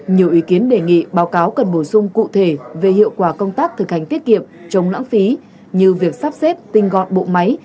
nhiều ý kiến đề nghị báo cáo cần bổ sung cụ thể về hiệu quả công tác thực hành tiết kiệm chống lãng phí như việc sắp xếp tinh gọn bộ máy